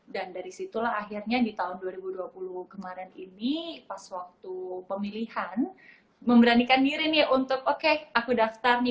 dan dari situlah akhirnya di tahun dua ribu dua puluh kemarin ini pas waktu pemilihan memberanikan diri nih untuk oke aku daftar nih